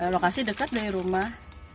lokasi dekat dari rumah